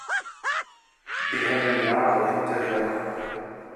Die hängen Jahre hinterher.